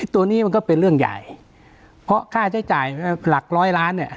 ตัวนี้มันก็เป็นเรื่องใหญ่เพราะค่าใช้จ่ายหลักร้อยล้านเนี่ย